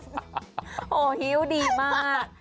โหฮิ้วดีมาก